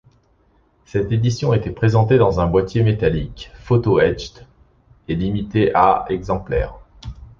Cette édition était présentée dans un boîtier métallique, photo-etched, et limitée à exemplaires.